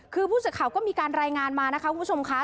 คือผู้สื่อข่าวก็มีการรายงานมานะคะคุณผู้ชมค่ะ